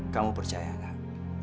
kamu percaya anak